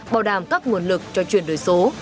bảo đảm các nguồn lực cho chuyển đổi số